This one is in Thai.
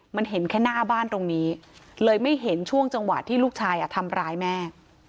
มันเห็นแค่หน้าบ้านตรงนี้เลยไม่เห็นช่วงจังหวะที่ลูกชายทำร้ายแม่